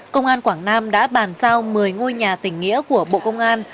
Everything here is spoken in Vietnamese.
công an quảng nam đã bàn giao một mươi ngôi nhà tỉnh nghĩa của bộ công an